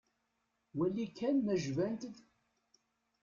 Wali kan ma jbant-d.